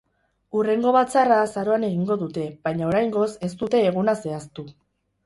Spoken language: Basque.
Hurrengo batzarra azaroan egingo dute, baina oraingoz ez dute eguna zehaztu.